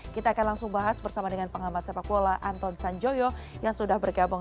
kita akan langsung bahas bersama dengan pengamat sepak bola anton sanjoyo yang sudah bergabung